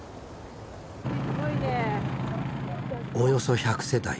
およそ１００世帯